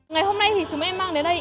ngày hôm nay thì chúng em mang đến đây